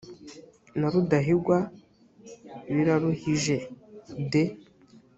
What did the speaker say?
na rudahigwa biraruhije des